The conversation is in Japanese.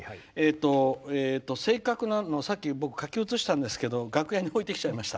正確なのは、さっき僕書き写したんですが楽屋に置いてきちゃいました。